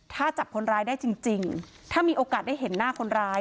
ถ้าจับคนร้ายได้จริงถ้ามีโอกาสได้เห็นหน้าคนร้าย